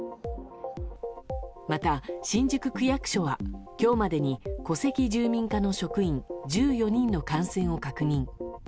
また新宿区役所は今日までに戸籍住民課の職員１４人の感染を確認。